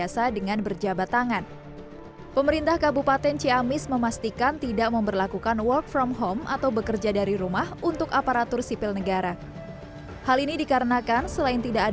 sebelum kerja dikawal